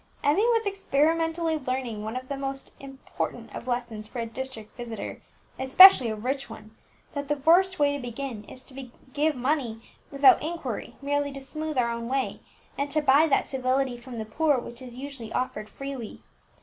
Emmie was experimentally learning one of the most important of lessons for a district visitor, especially a rich one, that the worst way to begin is to give money without inquiry, merely to smooth our own way, and to buy that civility from the poor which is usually offered freely.